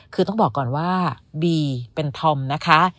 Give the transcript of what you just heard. คือต้องบอกก่อนว่าบีเป็นธอมนะคะ